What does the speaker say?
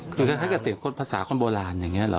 คือคล้ายกับเสพภาษาคนโบราณอย่างนี้เหรอ